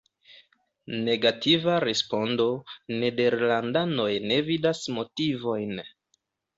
Negativa respondo- nederlandanoj ne vidas motivojn.